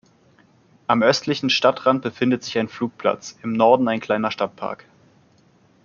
Am östlichen Stadtrand befindet sich ein Flugplatz, im Norden ein kleiner Stadtpark.